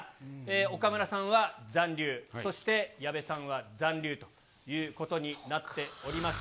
岡村さんは残留、そして矢部さんは残留ということになっております。